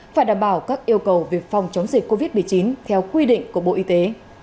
phải đảm bảo các yêu cầu về phòng chống dịch covid một mươi chín theo quy định của bộ y tế